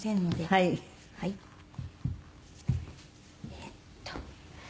えっと。